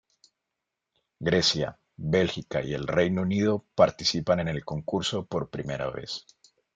Grecia, Belgica y el Reino unido participan en el concurso por primera vez.